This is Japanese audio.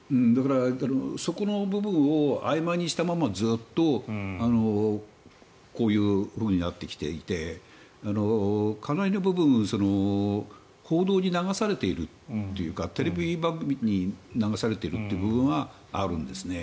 そこの部分をあいまいにしたままずっとこういうふうになってきていてかなりの部分報道に流されているというかテレビ番組に流されている部分はあるんですね。